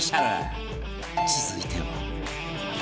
続いては